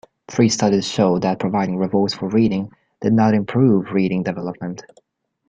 Three studies showed that providing rewards for reading did not improve reading development.